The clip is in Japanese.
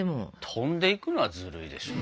飛んでいくのはずるいでしょ。